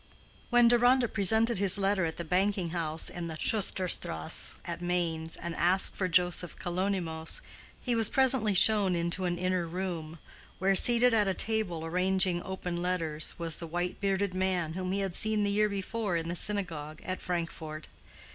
When Deronda presented his letter at the banking house in the Schuster Strasse at Mainz, and asked for Joseph Kalonymos, he was presently shown into an inner room, where, seated at a table arranging open letters, was the white bearded man whom he had seen the year before in the synagogue at Frankfort.